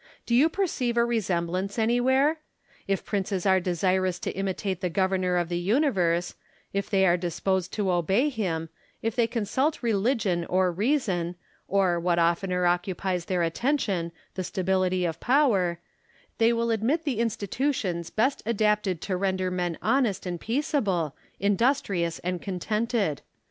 Do you perceive a resemblance anywhere? If princes are desirous to imitate the Governor of the universe ; if they are disposed to obey him ; if they consult religion or reason, or, what oftener occupies their attention, the stability of power, — they will admit the institutions best adapted to render men honest and peaceable, industrious and contented.